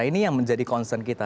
ini yang menjadi concern kita